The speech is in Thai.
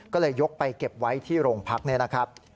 ก็เลยยกไปเก็บไว้ที่โรงพักเนี่ยนะครับ